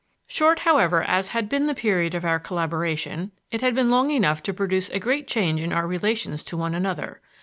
Short, however, as had been the period of our collaboration, it had been long enough to produce a great change in our relations to one another.